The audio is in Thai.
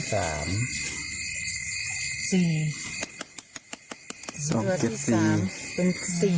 ตัวที่๓เป็น๔